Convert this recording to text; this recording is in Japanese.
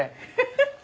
フフフ！